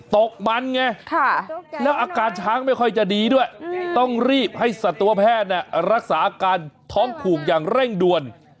ตกมันไงแล้วอาการช้างไม่ค่อยจะดีด้วยต้องรีบให้สัตวแพทย์รักษาอาการท้องผูกอย่างเร่งด่วน